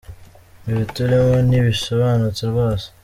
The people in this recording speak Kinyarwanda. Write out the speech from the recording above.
Ibi turimo ntibisobanutse rwose